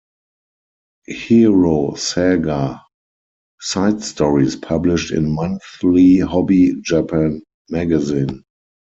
Hero Saga side stories published in "Monthly Hobby Japan" magazine.